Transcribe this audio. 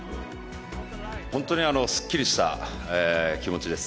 本当にすっきりした気持ちです。